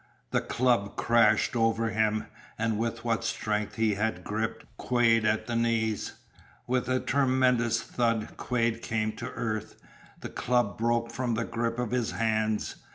The club crashed over him, and with what strength he had he gripped Quade at the knees. With a tremendous thud Quade came to earth. The club broke from the grip of his hands.